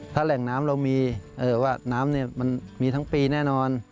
ถ้าแหล่งน้ำเรามีว่าน้ำมันมีทั้งปีแน่นอน